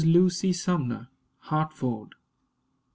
LUCY SUMNER. HARTFORD.